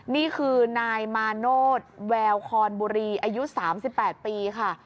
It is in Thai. นี่คือนายมาโนธแววคอนบุรีอายุ๓๘ปีค่ะ